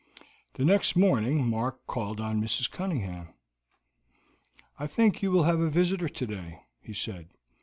The next morning Mark called on Mrs. Cunningham. "I think you will have a visitor today," he said.